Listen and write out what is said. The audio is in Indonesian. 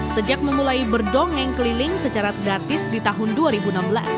sejak memulai berdongeng keliling secara gratis di tahun dua ribu enam belas